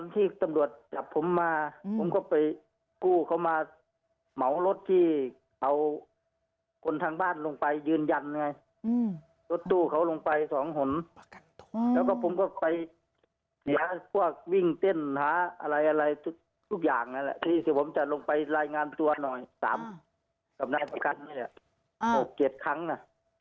ที่เอาคนทางบ้านลงไปยืนยันไงรถตู้เขาลงไปสองหนแล้วก็ผมก็ไปเหนือพวกวิ่งเต้นหาอะไรทุกอย่างนั้นแหละที่สิผมจะลงไปรายงานตัวหน่อยกับนายประกันนี้เนี่ย๖๗ครั้งนะ